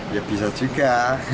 ya bisa juga